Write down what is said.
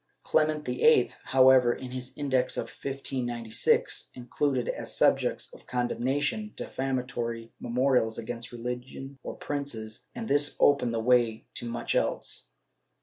Clement VIII, however, in his Index of 1596, included, as subjects of con demnation, defamatory memorials against religion or princes, and this opened the way to much else.